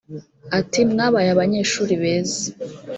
Ati “ mwabaye abanyeshuri beza